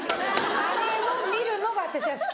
あれを見るのが私は好きで。